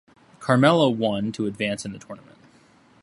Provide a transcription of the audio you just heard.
Carmella won to advance in the tournament.